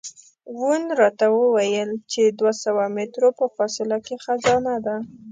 وون راته وویل چې دوه سوه مترو په فاصله کې خزانه ده.